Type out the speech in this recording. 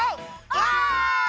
オ！